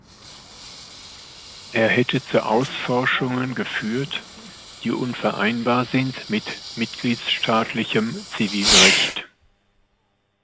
Er hätte zu Ausforschungen geführt, die unvereinbar sind mit mitgliedstaatlichem Zivilrecht.